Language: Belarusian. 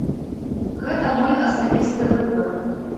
Гэта мой асабісты выбар.